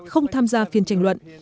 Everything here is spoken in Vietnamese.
không tham gia phiên tranh luận